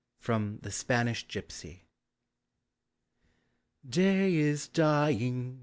FROM " THE SPANISH GYPSY." Day is dying!